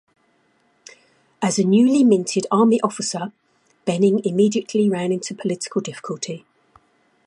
As a newly minted army officer, Benning immediately ran into political difficulty.